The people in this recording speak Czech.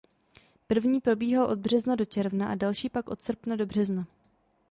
První probíhal od března do června a další pak od srpna do března.